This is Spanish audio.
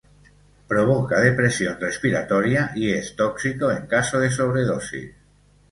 Provoca depresión respiratoria y es tóxico en caso de sobredosis.